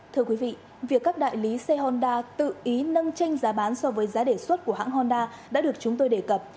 thưa quý vị việc các đại lý xe honda tự ý nâng tranh giá bán so với giá đề xuất của hãng honda đã được chúng tôi đề cập